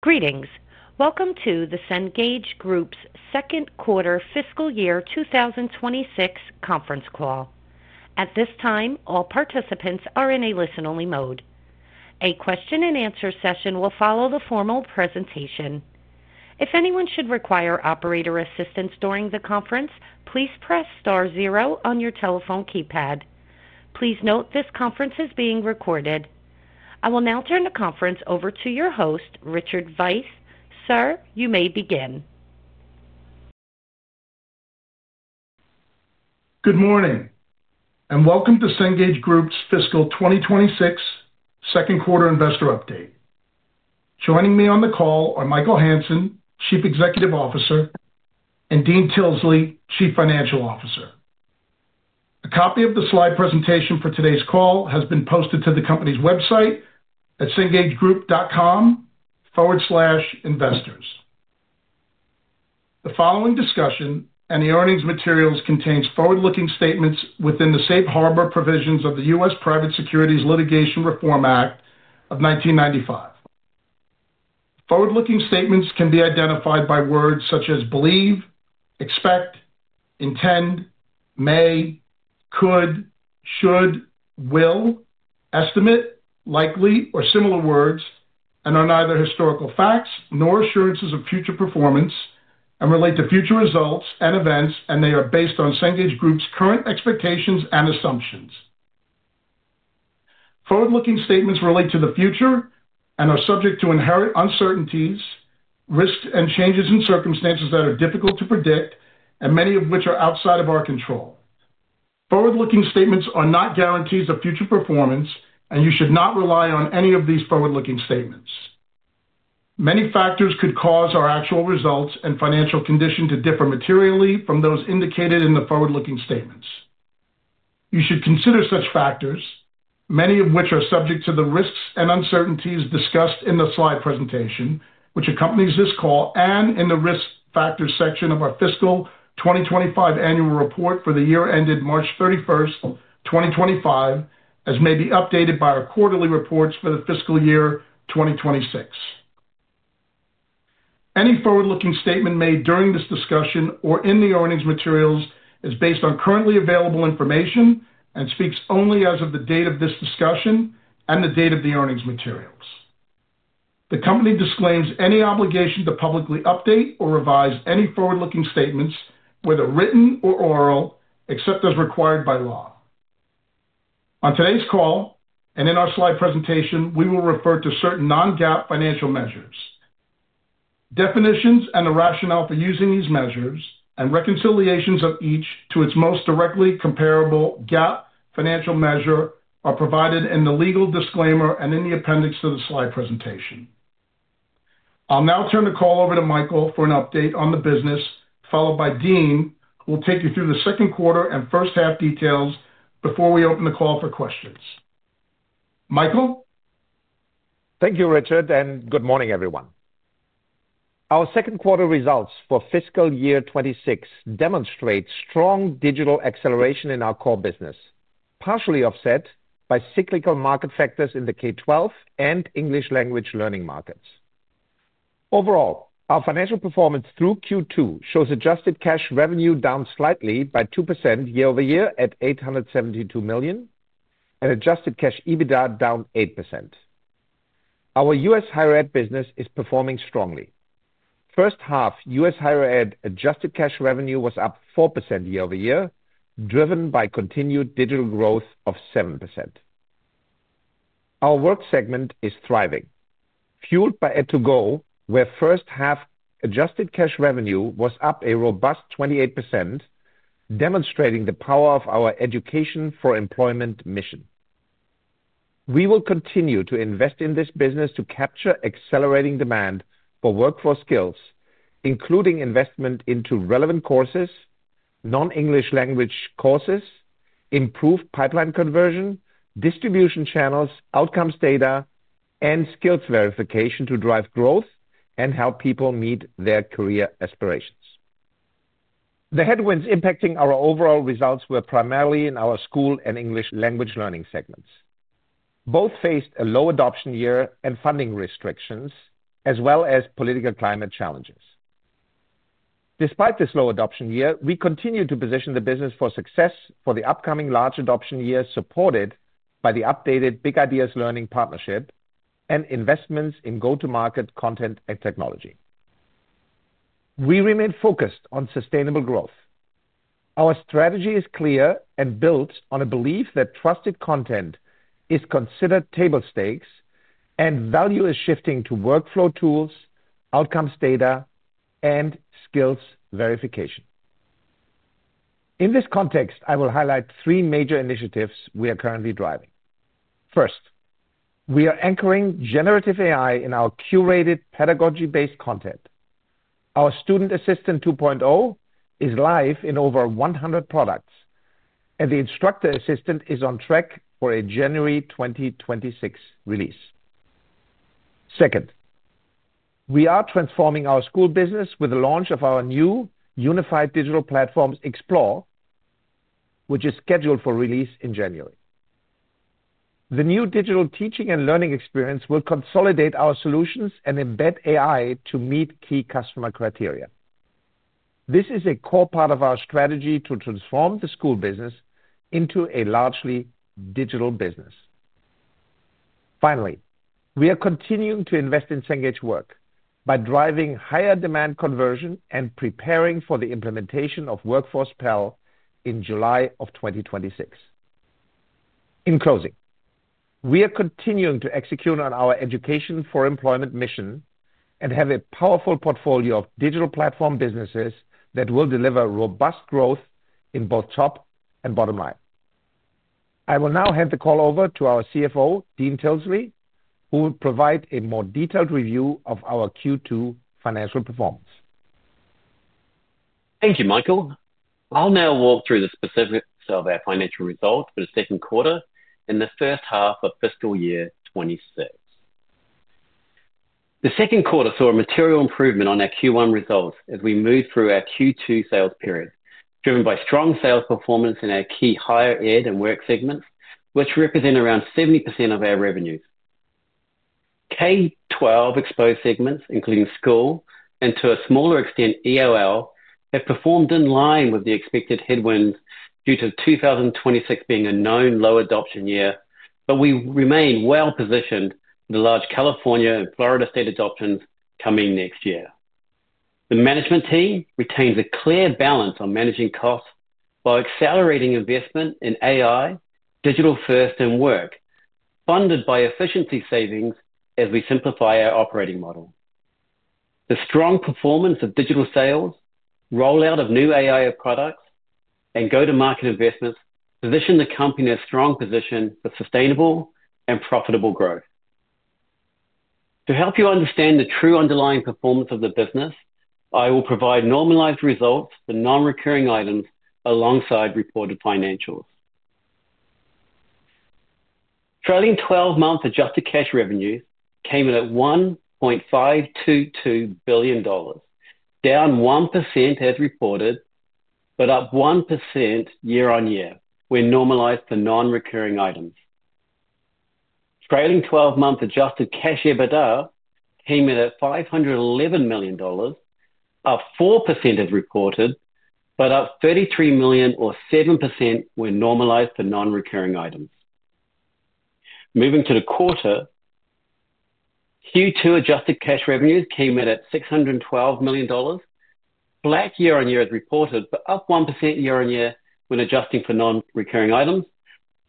Greetings. Welcome to the Cengage Group's Second Quarter Fiscal Year 2026 conference call. At this time, all participants are in a listen-only mode. A question-and-answer session will follow the formal presentation. If anyone should require operator assistance during the conference, please press star zero on your telephone keypad. Please note this conference is being recorded. I will now turn the conference over to your host, Richard Veith. Sir, you may begin. Good morning and welcome to Cengage Group's Fiscal Year 2026 Second Quarter investor update. Joining me on the call are Michael Hansen, Chief Executive Officer, and Dean Tilsley, Chief Financial Officer. A copy of the slide presentation for today's call has been posted to the company's website at cengagegroup.com/investors. The following discussion and the earnings materials contain forward-looking statements within the safe harbor provisions of the U.S. Private Securities Litigation Reform Act of 1995. Forward-looking statements can be identified by words such as believe, expect, intend, may, could, should, will, estimate, likely, or similar words, and are neither historical facts nor assurances of future performance and relate to future results and events, and they are based on Cengage Group's current expectations and assumptions. Forward-looking statements relate to the future and are subject to inherent uncertainties, risks, and changes in circumstances that are difficult to predict, and many of which are outside of our control. Forward-looking statements are not guarantees of future performance, and you should not rely on any of these forward-looking statements. Many factors could cause our actual results and financial condition to differ materially from those indicated in the forward-looking statements. You should consider such factors, many of which are subject to the risks and uncertainties discussed in the slide presentation which accompanies this call and in the risk factors section of our fiscal 2025 annual report for the year ended March 31, 2025, as may be updated by our quarterly reports for the fiscal year 2026. Any forward-looking statement made during this discussion or in the earnings materials is based on currently available information and speaks only as of the date of this discussion and the date of the earnings materials. The company disclaims any obligation to publicly update or revise any forward-looking statements, whether written or oral, except as required by law. On today's call and in our slide presentation, we will refer to certain non-GAAP financial measures. Definitions and the rationale for using these measures and reconciliations of each to its most directly comparable GAAP financial measure are provided in the legal disclaimer and in the appendix to the slide presentation. I'll now turn the call over to Michael for an update on the business, followed by Dean, who will take you through the second quarter and first half details before we open the call for questions. Michael? Thank you, Richard, and good morning, everyone. Our second quarter results for fiscal year 2026 demonstrate strong digital acceleration in our core business, partially offset by cyclical market factors in the K-12 and English language learning markets. Overall, our financial performance through Q2 shows adjusted cash revenue down slightly by 2% year-over-year at $872 million and adjusted Cash EBITDA down 8%. Our U.S. Higher Ed business is performing strongly. First half U.S. Higher Ed adjusted cash revenue was up 4% year-over-year, driven by continued digital growth of 7%. Our work segment is thriving, fueled by Ed2Go, where first half adjusted cash revenue was up a robust 28%, demonstrating the power of our education for employment mission. We will continue to invest in this business to capture accelerating demand for workforce skills, including investment into relevant courses, non-English language courses, improved pipeline conversion, distribution channels, outcomes data, and skills verification to drive growth and help people meet their career aspirations. The headwinds impacting our overall results were primarily in our school and English language learning segments. Both faced a low adoption year and funding restrictions, as well as political climate challenges. Despite this low adoption year, we continue to position the business for success for the upcoming large adoption year supported by the updated Big Ideas Learning partnership and investments in go-to-market content and technology. We remain focused on sustainable growth. Our strategy is clear and built on a belief that trusted content is considered table stakes and value is shifting to workflow tools, outcomes data, and skills verification. In this context, I will highlight three major initiatives we are currently driving. First, we are anchoring generative AI in our curated pedagogy-based content. Our Student Assistant 2.0 is live in over 100 products, and the Instructor Assistant is on track for a January 2026 release. Second, we are transforming our school business with the launch of our new unified digital platform, Explore, which is scheduled for release in January 2026. The new digital teaching and learning experience will consolidate our solutions and embed AI to meet key customer criteria. This is a core part of our strategy to transform the school business into a largely digital business. Finally, we are continuing to invest in Cengage Work by driving higher demand conversion and preparing for the implementation of Workforce PAL in July 2026. In closing, we are continuing to execute on our education for employment mission and have a powerful portfolio of digital platform businesses that will deliver robust growth in both top and bottom line. I will now hand the call over to our CFO, Dean Tilsley, who will provide a more detailed review of our Q2 financial performance. Thank you, Michael. I'll now walk through the specifics of our financial results for the second quarter and the first half of fiscal year 2026. The second quarter saw a material improvement on our Q1 results as we moved through our Q2 sales period, driven by strong sales performance in our key higher ed and work segments, which represent around 70% of our revenues. K-12 exposed segments, including school and to a smaller extent ELL, have performed in line with the expected headwinds due to 2026 being a known low adoption year, but we remain well positioned in the large California and Florida state adoptions coming next year. The management team retains a clear balance on managing costs by accelerating investment in AI, digital-first, and work, funded by efficiency savings as we simplify our operating model. The strong performance of digital sales, rollout of new AI products, and go-to-market investments position the company in a strong position for sustainable and profitable growth. To help you understand the true underlying performance of the business, I will provide normalized results for non-recurring items alongside reported financials. Trailing 12-month adjusted cash revenues came in at $1.522 billion, down 1% as reported, but up 1% year-on-year, when normalized for non-recurring items. Trailing 12-month adjusted Cash EBITDA came in at $511 million, up 4% as reported, but up $33 million, or 7%, when normalized for non-recurring items. Moving to the quarter, Q2 adjusted cash revenues came in at $612 million, flat year-on-year as reported, but up 1% year-on-year when adjusting for non-recurring items.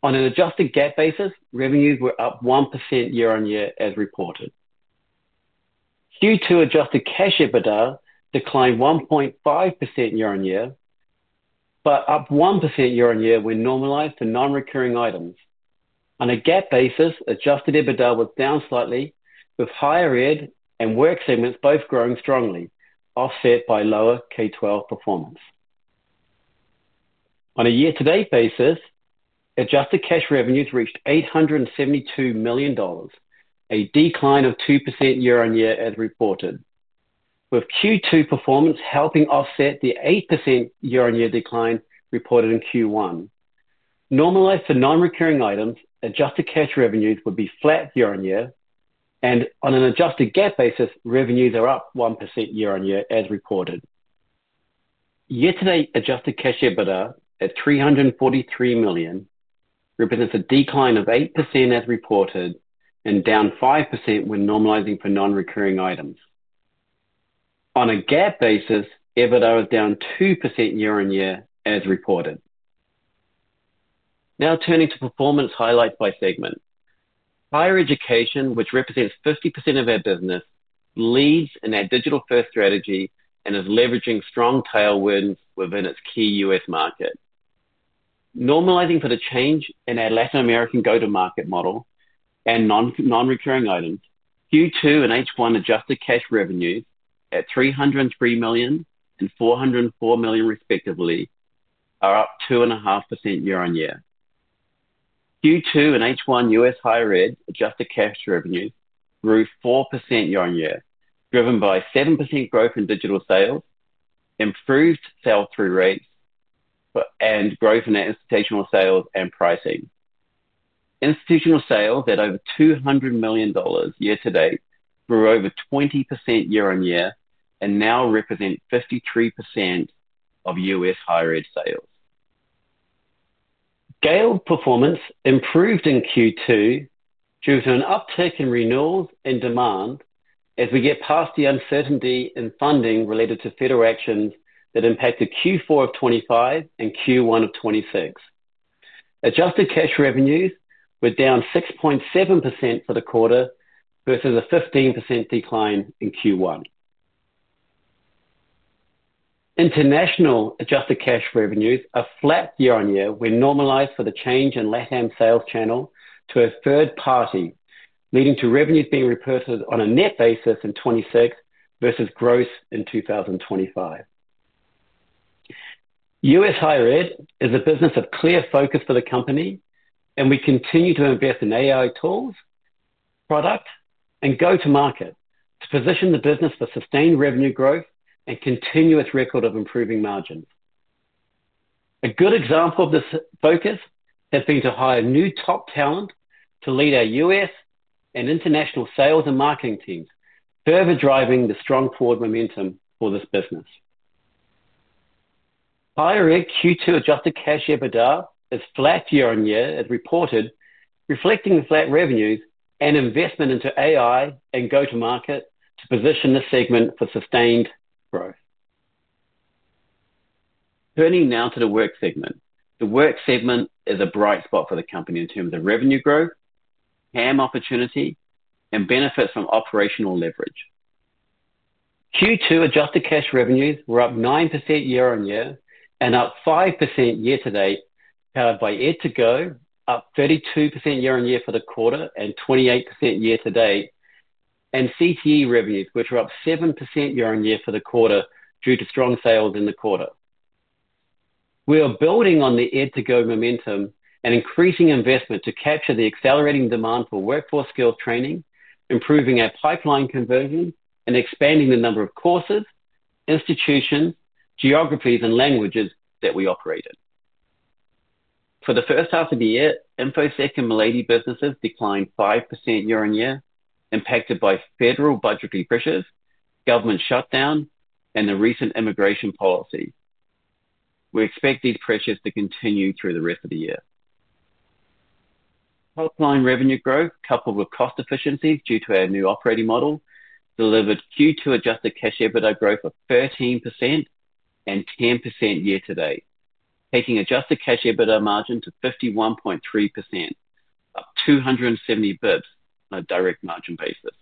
On an adjusted GAAP basis, revenues were up 1% year-on-year as reported. Q2 adjusted Cash EBITDA declined 1.5% year-on-year, but up 1% year-on-year when normalized for non-recurring items. On a GAAP basis, adjusted EBITDA was down slightly, with higher ed and work segments both growing strongly, offset by lower K-12 performance. On a year-to-date basis, adjusted cash revenues reached $872 million, a decline of 2% year-on-year as reported, with Q2 performance helping offset the 8% year-on-year decline reported in Q1. Normalized for non-recurring items, adjusted cash revenues would be flat year-on-year, and on an adjusted GAAP basis, revenues are up 1% year-on-year as reported. Year-to-date adjusted Cash EBITDA at $343 million represents a decline of 8% as reported and down 5% when normalizing for non-recurring items. On a GAAP basis, EBITDA was down 2% year-on-year as reported. Now turning to performance highlights by segment. Higher Education, which represents 50% of our business, leads in our digital-first strategy and is leveraging strong tailwinds within its key U.S. market. Normalizing for the change in our Latin American go-to-market model and non-recurring items, Q2 and H1 adjusted cash revenues at $303 million and $404 million, respectively, are up 2.5% yyear-on-year. Q2 and H1 U.S. Higher Ed adjusted cash revenues grew 4% year-on-year, driven by 7% growth in digital sales, improved sales through rates, and growth in institutional sales and pricing. Institutional sales at over $200 million year-to-date grew over 20% year-on-year and now represent 53% of U.S. Higher Ed sales. Gale performance improved in Q2 due to an uptick in renewals and demand as we get past the uncertainty in funding related to federal actions that impacted Q4 of 2025 and Q1 of 2026. Adjusted cash revenues were down 6.7% for the quarter versus a 15% decline in Q1. International adjusted cash revenues are flat year-on-year, when normalized for the change in Latin America sales channel to a third party, leading to revenues being reported on a net basis in 2026 versus gross in 2025. U.S. Higher Ed is a business of clear focus for the company, and we continue to invest in AI tools, product, and go-to-market to position the business for sustained revenue growth and continuous record of improving margins. A good example of this focus has been to hire new top talent to lead our U.S. and international sales and marketing teams, further driving the strong forward momentum for this business. Higher Ed Q2 adjusted Cash EBITDA is flat year-on-year, as reported, reflecting flat revenues and investment into AI and go-to-market to position this segment for sustained growth. Turning now to the work segment. The work segment is a bright spot for the company in terms of revenue growth, TAM opportunity, and benefits from operational leverage. Q2 adjusted cash revenues were up 9% year-on-year and up 5% year-to-date, powered by Ed2Go, up 32% year-on-year for the quarter and 28% year-to-date, and CTE revenues, which were up 7% year-on-year for the quarter due to strong sales in the quarter. We are building on the Ed2Go momentum and increasing investment to capture the accelerating demand for workforce skills training, improving our pipeline conversion, and expanding the number of courses, institutions, geographies, and languages that we operate in. For the first half of the year, Infosec and MindEdge businesses declined 5% year-on-year, impacted by federal budgetary pressures, government shutdown, and the recent immigration policy. We expect these pressures to continue through the rest of the year. Pipeline revenue growth, coupled with cost efficiencies due to our new operating model, delivered Q2 adjusted Cash EBITDA growth of 13% and 10% year-to-date, taking adjusted Cash EBITDA margin to 51.3%, up 270 basis points on a direct margin basis.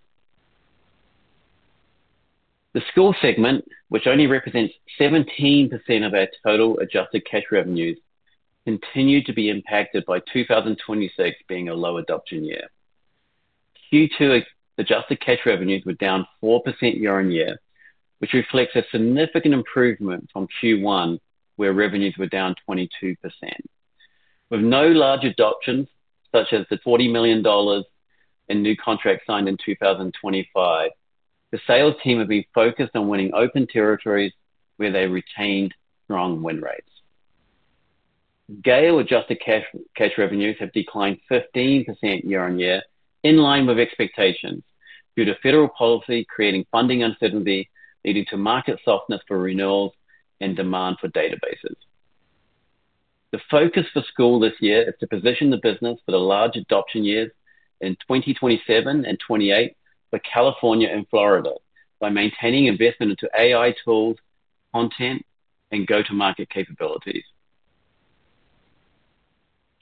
The school segment, which only represents 17% of our total adjusted cash revenues, continued to be impacted by 2026 being a low adoption year. Q2 adjusted cash revenues were down 4% year-on-year, which reflects a significant improvement from Q1, where revenues were down 22%. With no large adoptions, such as $140 million and new contracts signed in 2025, the sales team have been focused on winning open territories where they retained strong win rates. Gale adjusted cash revenues have declined 15% year-on-year, in line with expectations, due to federal policy creating funding uncertainty, leading to market softness for renewals and demand for databases. The focus for school this year is to position the business for the large adoption years in 2027 and 2028 for California and Florida by maintaining investment into AI tools, content, and go-to-market capabilities.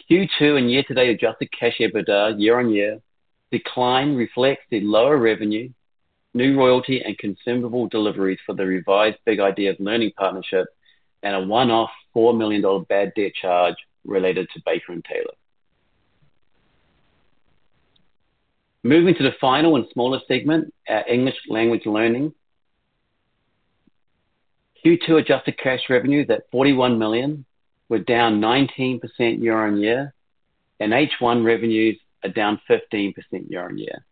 Q2 and year-to-date adjusted Cash EBITDAyear-on-year decline reflects the lower revenue, new royalty, and consumable deliveries for the revised Big Ideas Learning partnership and a one-off $4 million bad debt charge related to Baker & Taylor. Moving to the final and smaller segment, our English language learning. Q2 adjusted cash revenues at $41 million were down 19% year-on-year, and H1 revenues are down 15% year-on-year.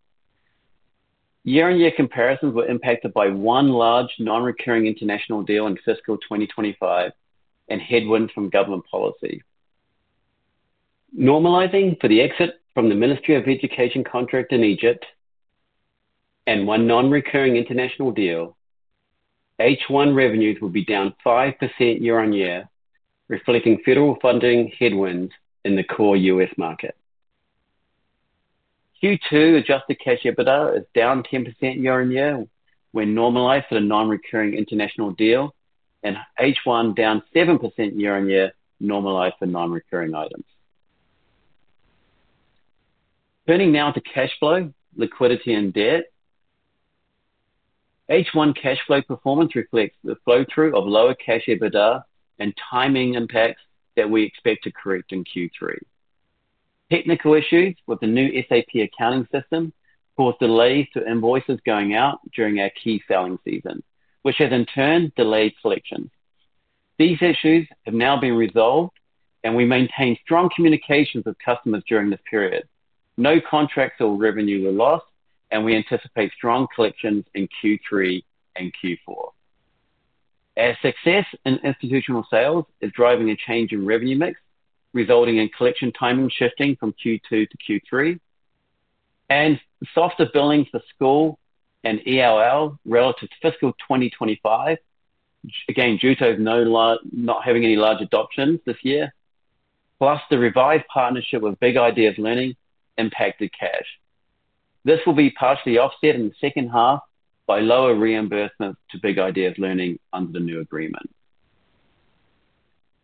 Year-on-year comparisons were impacted by one large non-recurring international deal in fiscal 2025 and headwinds from government policy. Normalizing for the exit from the Ministry of Education contract in Egypt and one non-recurring international deal, H1 revenues would be down 5% year-on-year, reflecting federal funding headwinds in the core U.S. market. Q2 adjusted Cash EBITDA is down 10% year-on-year, when normalized for the non-recurring international deal, and H1 down 7% year-on-year, normalized for non-recurring items. Turning now to cash flow, liquidity, and debt. H1 cash flow performance reflects the flow-through of lower Cash EBITDA and timing impacts that we expect to correct in Q3. Technical issues with the new SAP accounting system caused delays to invoices going out during our key selling season, which has in turn delayed collections. These issues have now been resolved, and we maintain strong communications with customers during this period. No contracts or revenue were lost, and we anticipate strong collections in Q3 and Q4. Our success in institutional sales is driving a change in revenue mix, resulting in collection timing shifting from Q2 to Q3, and softer billing for school and ELL relative to fiscal year 2025, again, due to not having any large adoptions this year, plus the revised partnership with Big Ideas Learning impacted cash. This will be partially offset in the second half by lower reimbursements to Big Ideas Learning under the new agreement.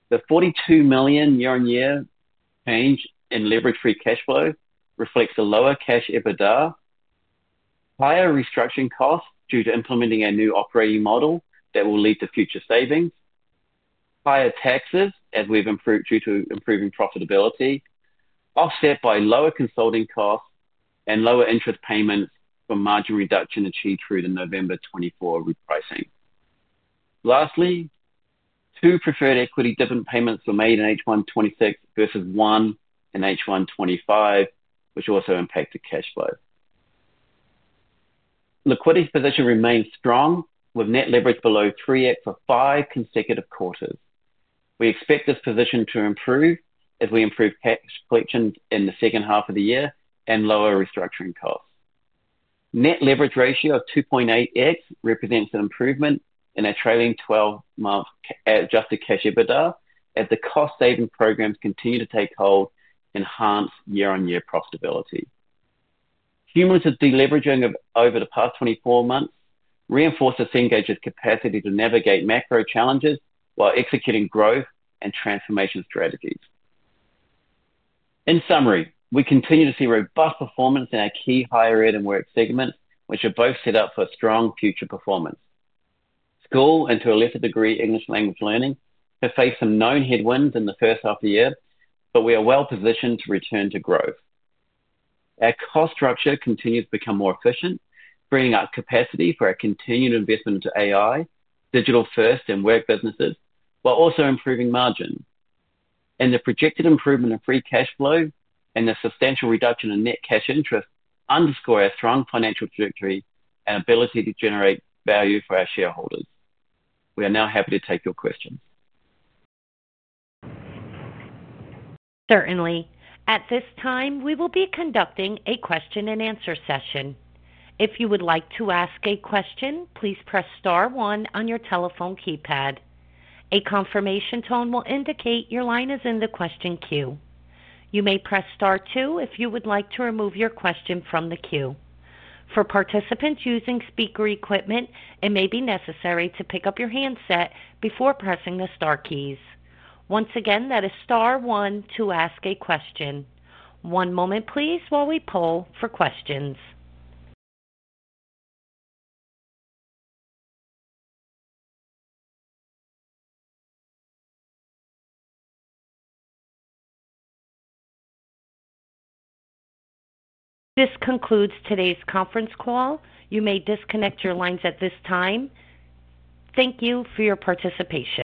The $42 million year-on-year change in leverage-free cash flow reflects a lower Cash EBITDA, higher restructuring costs due to implementing our new operating model that will lead to future savings, higher taxes as we've improved due to improving profitability, offset by lower consulting costs and lower interest payments for margin reduction achieved through the November 2024 repricing. Lastly, two preferred equity dividend payments were made in H1 2026 versus one in H1 2025, which also impacted cash flow. Liquidity position remains strong with net leverage below 3x for five consecutive quarters. We expect this position to improve as we improve cash collections in the second half of the year and lower restructuring costs. Net leverage ratio of 2.8x represents an improvement in our trailing 12-month adjusted Cash EBITDA as the cost-saving programs continue to take hold, enhancing year-on-year profitability. Cumulative deleveraging over the past 24 months reinforces Cengage's capacity to navigate macro challenges while executing growth and transformation strategies. In summary, we continue to see robust performance in our key higher ed and work segments, which are both set up for strong future performance. School and, to a lesser degree, English language learning have faced some known headwinds in the first half of the year, but we are well positioned to return to growth. Our cost structure continues to become more efficient, freeing up capacity for our continued investment into AI, digital-first, and work businesses, while also improving margins. The projected improvement in free cash flow and the substantial reduction in net cash interest underscore our strong financial trajectory and ability to generate value for our shareholders. We are now happy to take your questions. Certainly. At this time, we will be conducting a question-and-answer session. If you would like to ask a question, please press star one on your telephone keypad. A confirmation tone will indicate your line is in the question queue. You may press star two if you would like to remove your question from the queue. For participants using speaker equipment, it may be necessary to pick up your handset before pressing the star keys. Once again, that is star one to ask a question. One moment, please, while we poll for questions. This concludes today's conference call. You may disconnect your lines at this time. Thank you for your participation.